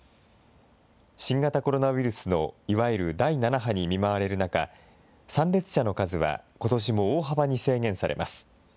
新型コロナウイルスのいわゆる第７波に見舞われる中、参列者の数はことしも大幅に制限されます。